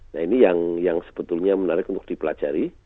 nah ini yang sebetulnya menarik untuk dipelajari